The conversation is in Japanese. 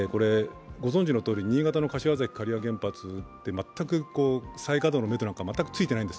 新潟の柏崎刈羽原発って再稼働のめどなんか全くついていないんです。